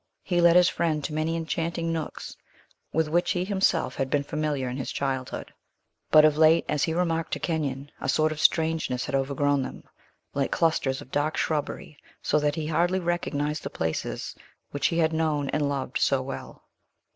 He led his friend to many enchanting nooks, with which he himself had been familiar in his childhood. But of late, as he remarked to Kenyon, a sort of strangeness had overgrown them, like clusters of dark shrubbery, so that he hardly recognized the places which he had known and loved so well.